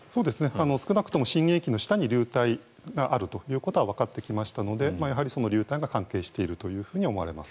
少なくとも震源域の下に流体があるということはわかってきましたのでやはりその流体が関係していると思われます。